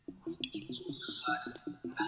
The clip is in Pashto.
زما آواز که در رسیږي